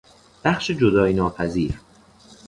بخش جدایی ناپذیر